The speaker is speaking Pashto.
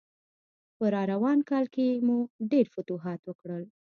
په راروان کال کې مو ډېر فتوحات وکړل.